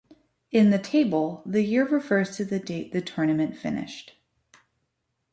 In the table, the year refers to the date the tournament finished.